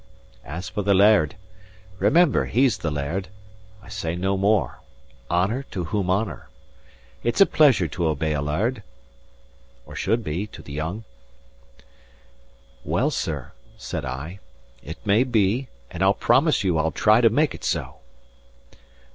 As for the laird remember he's the laird; I say no more: honour to whom honour. It's a pleasure to obey a laird; or should be, to the young." "Well, sir," said I, "it may be; and I'll promise you I'll try to make it so."